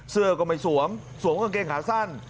เสื้อก็ไม่สวมสวมกางเกงขาสั้น